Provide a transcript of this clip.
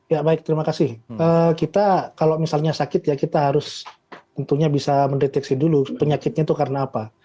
ya baik terima kasih kita kalau misalnya sakit ya kita harus tentunya bisa mendeteksi dulu penyakitnya itu karena apa